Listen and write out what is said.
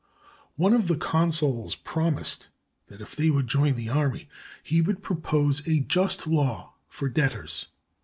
One of the consuls promised that if they would join the army, he would propose a just law for debtors.